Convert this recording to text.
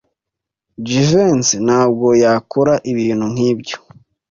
Jivency ntabwo yakora ibintu nkibyo.